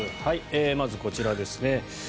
まずこちらですね。